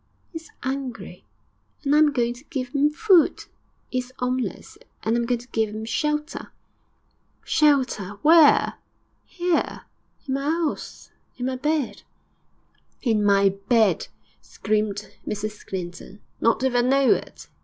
''E is 'ungry, and I am going to give 'im food; 'e is 'omeless, and I am going to give 'im shelter.' 'Shelter? Where?' 'Here, in my 'ouse, in my bed.' 'In my bed!' screamed Mrs Clinton. 'Not if I know it!